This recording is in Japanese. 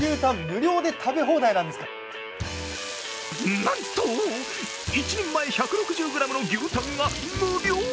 なんと、１人前１６０ｇの牛タンが無料！